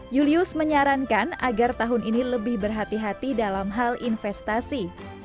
julius menyarankan agar tahun ini lebih berhati hati dalam hal investasi